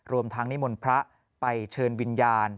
รวมทั้งนิมนต์พระไปเชิญวิญญาณ